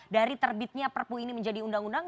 dari terbitnya perpu ini menjadi undang undang